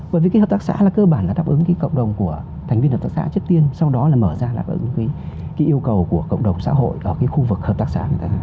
bởi vì cái hợp tác xã là cơ bản là đáp ứng cái cộng đồng của thành viên hợp tác xã trước tiên sau đó là mở ra đáp ứng cái yêu cầu của cộng đồng xã hội ở cái khu vực hợp tác xã người ta